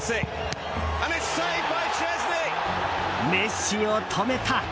メッシを止めた！